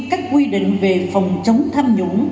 các quy định về phòng chống tham nhũng